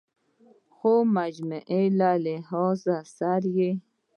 خو مجموعي لحاظ سره ئې